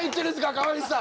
川西さん。